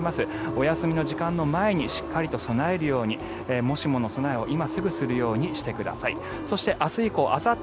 お休みの時間の前にしっかりと備えるようにもしもの備えを今すぐするようにしてください。